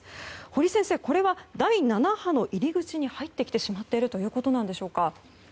堀先生、これは第７波の入り口に入ってきているということでしょうか。